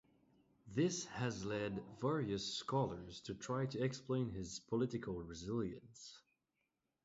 This has led various scholars to try to explain his political resilience.